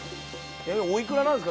おいくらなんですか？